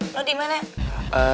lo diman ya